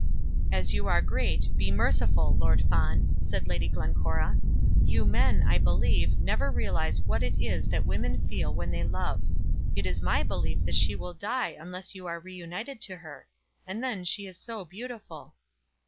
"As you are great, be merciful, Lord Fawn," said Lady Glencora. "You men, I believe, never realise what it is that women feel when they love. It is my belief that she will die unless you are re united to her. And then she is so beautiful!"